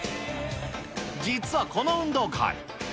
実はこの運動会。